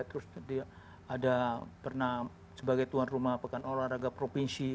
terus dia ada pernah sebagai tuan rumah pekan olahraga provinsi